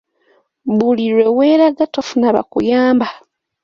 Buli lwe weeraga tofuna bakuyamba.